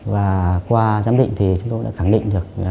và qua giám định thì chúng tôi đã khẳng định được